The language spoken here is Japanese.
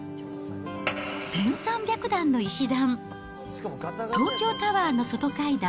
１３００段の石段、東京タワーの外階段